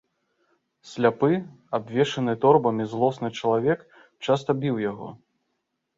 Сляпы, абвешаны торбамі злосны чалавек, часта біў яго.